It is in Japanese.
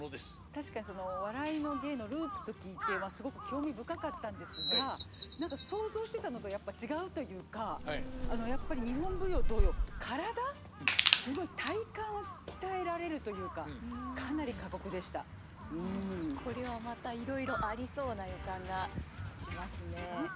確かに「笑いの芸」のルーツと聞いてすごく興味深かったんですが何か想像してたのとやっぱり違うというかやっぱり日本舞踊同様体すごい体幹を鍛えられるというかこれはまたいろいろありそうな予感がしますね。